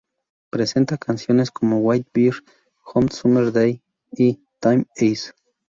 Presenta canciones como "White Bird", "Hot Summer Day" y "Time Is".